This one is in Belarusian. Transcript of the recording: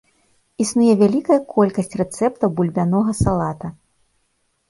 Існуе вялікая колькасць рэцэптаў бульбянога салата.